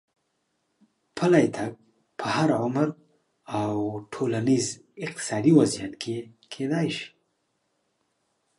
پلی تګ په هر عمر او ټولنیز اقتصادي وضعیت کې کېدای شي.